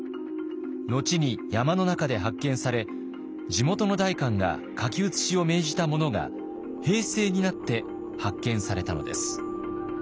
後に山の中で発見され地元の代官が書き写しを命じたものが平成になって発見されたのです。